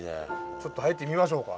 ちょっと入ってみましょうか。